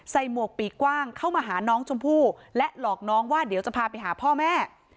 หมวกปีกกว้างเข้ามาหาน้องชมพู่และหลอกน้องว่าเดี๋ยวจะพาไปหาพ่อแม่